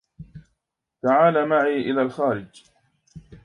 تعالَ معي إلى الخارج.